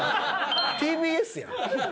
ＴＢＳやん。